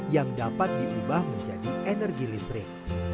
yang dapat diubah menjadi energi listrik